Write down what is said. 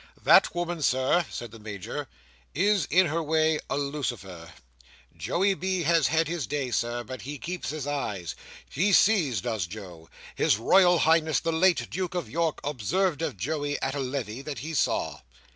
"That woman, Sir," said the Major, "is, in her way, a Lucifer. Joey B. has had his day, Sir, but he keeps his eyes. He sees, does Joe. His Royal Highness the late Duke of York observed of Joey, at a levee, that he saw."